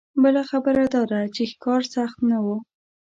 بله خبره دا ده چې ښکار سخت نه و.